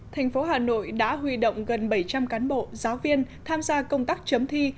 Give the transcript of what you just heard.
thành phố hà nội đã huy động gần bảy trăm linh cán bộ giáo viên tham gia công tác chấm thi